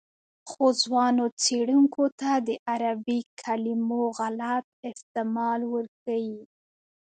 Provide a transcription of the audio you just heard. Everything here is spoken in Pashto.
خو ځوانو څېړونکو ته د عربي کلمو غلط استعمال ورښيي.